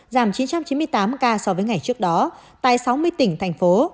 giảm chín trăm chín mươi tám ca so với ngày trước đó tại sáu mươi tỉnh thành phố